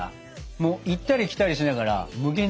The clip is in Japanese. もう行ったり来たりしながら無限に食べれそう。